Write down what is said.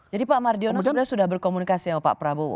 jadi pak mardiono sudah berkomunikasi sama pak prabowo